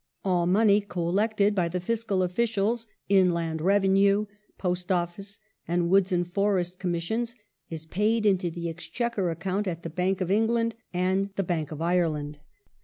All money collected by the fiscal officials — Inland Revenue, Post Office, and Woods and Forests Com missioners— is paid into the Exchequer account at the Bank of England and the Bank of Ireland.